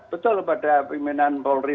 betul pada pimpinan polri